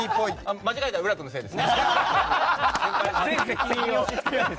間違えたら浦君のせいです。